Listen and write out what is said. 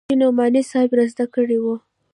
چې نعماني صاحب رازده کړې وه.